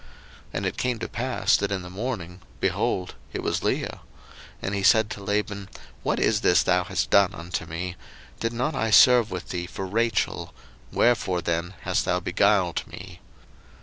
01:029:025 And it came to pass, that in the morning, behold, it was Leah: and he said to Laban, What is this thou hast done unto me? did not I serve with thee for Rachel? wherefore then hast thou beguiled me?